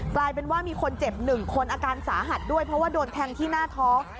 กลายเป็นว่ามีคนเจ็บ๑คนอาการสาหัสด้วยเพราะว่าโดนแทงที่หน้าท้อง